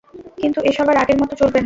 কিন্তু এসব আর আগের মতো চলবে না।